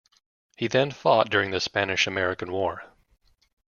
He then fought during the Spanish-American War.